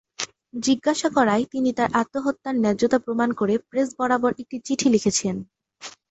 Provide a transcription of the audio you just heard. জিজ্ঞাসা করায়, তিনি তার আত্মহত্যার ন্যায্যতা প্রমাণ করে প্রেস বরাবর একটি চিঠি লিখেছেন।